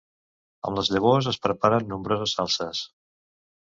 Amb les llavors es preparen nombroses salses.